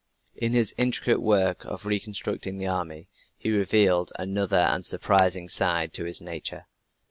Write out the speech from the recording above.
In his intricate work of reconstructing the army, he revealed another, and surprising side to his nature.